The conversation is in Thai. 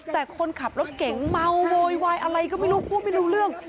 แต่คนขับรถเก่งเมาโวยวายอะไรก็ไม่รู้พูดไม่รู้เรื่อง